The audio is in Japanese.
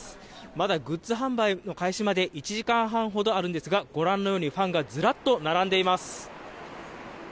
まだグッズ販売開始まで１時間半ほどあるんですがご覧のようにファンがずらっと並んでいます。